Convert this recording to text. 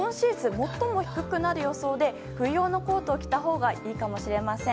最も低くなる予想で冬用のコートを着たほうが良いかもしれません。